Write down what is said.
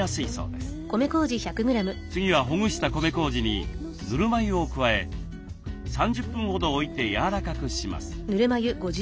次はほぐした米こうじにぬるま湯を加え３０分ほど置いてやわらかくします。